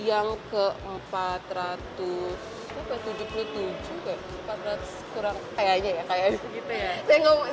yang keempat ratus keempat ratus kurang kayaknya ya kayaknya